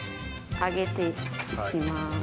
揚げて行きます。